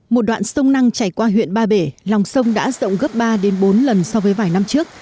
một đoạn sông năng chảy qua huyện ba bể lòng sông đã rộng gấp ba bốn lần so với vài năm trước